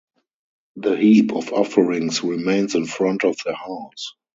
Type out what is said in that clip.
The heap of offerings remains in front of the house.